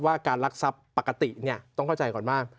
ว่าการรักทรัพย์ปกติต้องเข้าใจก่อนมาก